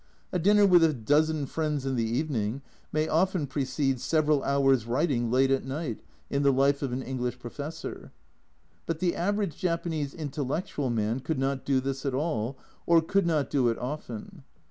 A dinner with a dozen friends in the evening may often precede several hours' writing late at night, in the life of an English Professor. But the average Japanese intellectual man could not do this at all, or could not do it often.